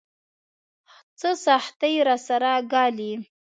څه سختۍ راسره ګالي.